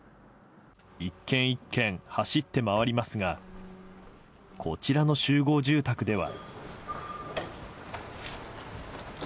１軒１軒走って回りますがこちらの集合住宅では。